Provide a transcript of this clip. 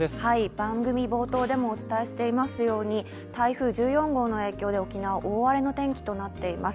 番組冒頭でもお伝えしていますように台風１４号の影響で、沖縄、大荒れの天気となっています